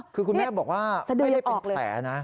คือคุณแม่บอกว่าไม่ได้เป็นแผลนะ